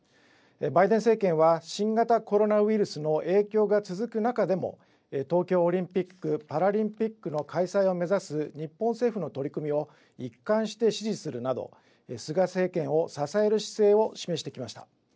バイデン政権は新型コロナウイルスの影響が続く中でも、東京オリンピック・パラリンピックの開催を目指す日本政府の取り組みを、一貫して支持するなど、菅政権を支える姿勢を示してきました。